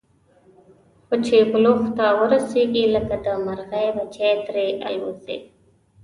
خو چې بلوغ ته ورسېږي، لکه د مرغۍ بچي ترې والوځي.